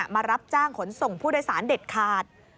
มารับจ้างขนส่งผู้โดยสารเด็ดขาด